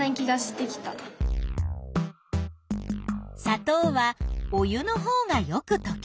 さとうはお湯のほうがよくとける。